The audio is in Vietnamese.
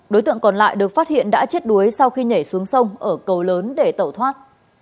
đối tượng còn lại được phát hiện đã chết đuối sau khi nhảy xuống sông ở cầu lớn để tẩu thoát